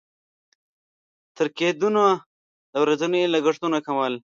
تر کېدونه د ورځنيو لګښتونو کمول.